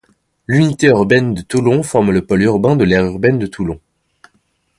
L'unité urbaine de Toulon forme le pôle urbain de l'aire urbaine de Toulon.